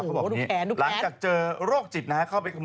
ลองจะเจอโรคจิตนะฮะ